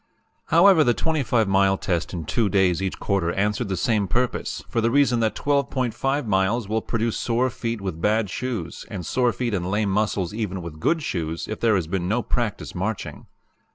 "However, the 25 mile test in two days each quarter answered the same purpose, for the reason that 12.5 miles will produce sore feet with bad shoes, and sore feet and lame muscles even with good shoes, if there has been no practice marching.